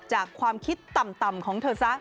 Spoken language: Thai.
ความคิดต่ำของเธอซะ